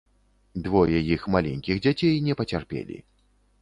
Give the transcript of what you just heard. Двое іх маленькіх дзяцей не пацярпелі.